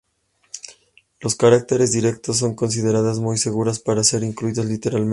Los caracteres directos son considerados muy seguros para ser incluidos literalmente.